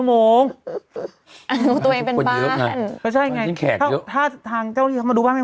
มันต้องดูตามสถานที่ประกอบการไง